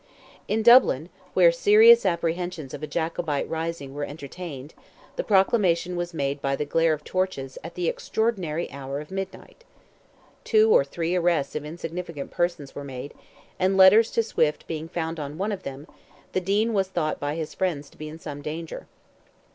In Dublin, where serious apprehensions of a Jacobite rising were entertained, the proclamation was made by the glare of torches at the extraordinary hour of midnight. Two or three arrests of insignificant persons were made, and letters to Swift being found on one of them, the Dean was thought by his friends to be in some danger.